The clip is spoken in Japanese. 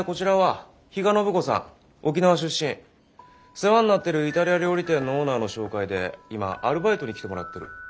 世話になってるイタリア料理店のオーナーの紹介で今アルバイトに来てもらってる。